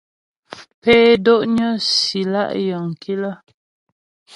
Pé dó'nyə́ si lá' yəŋ kilə́ ?